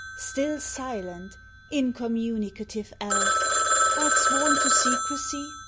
Still silent ! incommunicative elf ! Art sworn to secrecy